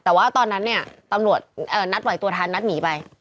แต่ว่าตอนนั้นเนี่ยตำรวจนัดไหวตัวทันนัดหนีไป